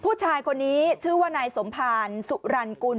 ผู้ชายคนนี้ชื่อว่านายสมภารสุรรณกุล